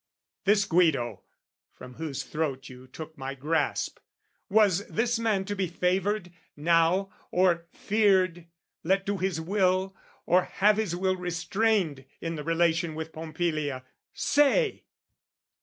This Guido from whose throat you took my grasp, Was this man to be favoured, now, or feared, Let do his will, or have his will restrained, In the relation with Pompilia? say!